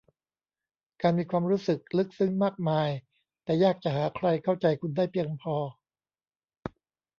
การมีความรู้สึกลึกซึ้งมากมายแต่ยากจะหาใครเข้าใจคุณได้เพียงพอ